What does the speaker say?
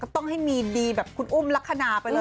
ก็ต้องมีดีคุณอุ้มละคณาไปเลย